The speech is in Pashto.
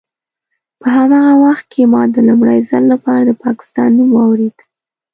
په هماغه وخت کې ما د لومړي ځل لپاره د پاکستان نوم واورېد.